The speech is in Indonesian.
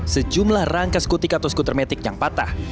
sejumlah rangka skutik atau skuter metik yang patah